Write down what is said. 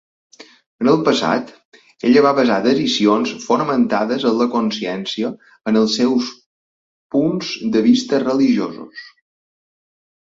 En el passat, ella va basar decisions fonamentades en la consciència en els seus punts de vista religiosos.